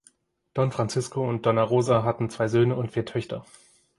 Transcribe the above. Don Francisco und Donna Rosa hatten zwei Söhne und vier Töchter.